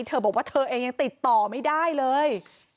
เธอบอกว่าเธอเองยังติดต่อไม่ได้เลย